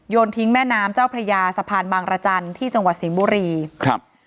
ทิ้งแม่น้ำเจ้าพระยาสะพานบางรจันทร์ที่จังหวัดสิงห์บุรีครับ